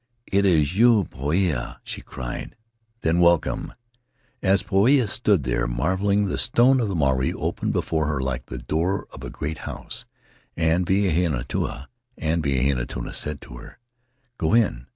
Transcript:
'Is it you, Poia?' she cried. 'Then welcome!' As Poia stood there, marveling, the stone of the marae opened before her like the door of a great house, and Vahinetua and Vivitautua said to her, 'Go in.'